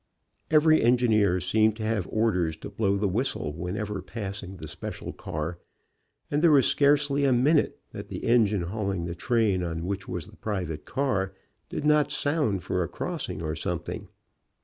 Every en gineer seemed to have orders to blow the whistle whenever passing the special car, and there was scarcely a minute that the engine hauling the train on which was the private car, did not sound for a crossing or something.